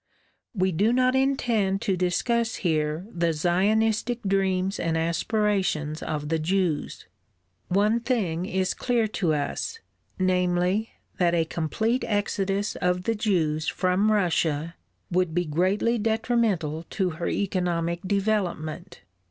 We do not intend to discuss here the Zionistic dreams and aspirations of the Jews. One thing is clear to us, namely, that a complete exodus of the Jews from Russia would be greatly detrimental to her economic development.